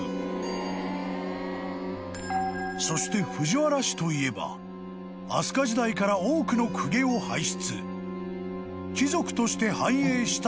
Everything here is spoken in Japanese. ［そして藤原氏といえば飛鳥時代から多くの公家を輩出］